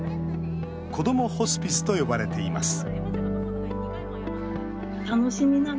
こどもホスピスと呼ばれています